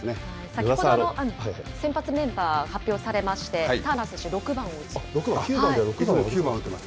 先ほど先発メンバー発表されまして、ターナー選手６番を打つ９番ではなく６番？